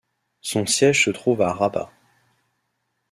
Son siège se trouve à Rabat.